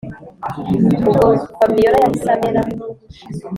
ubwo fabiora yahise amera